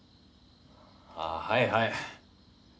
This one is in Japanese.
あぁはいはい。